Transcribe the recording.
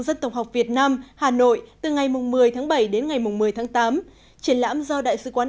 dân tộc học việt nam hà nội từ ngày một mươi tháng bảy đến ngày một mươi tháng tám triển lãm do đại sứ quán